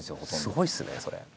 すごいですねそれ。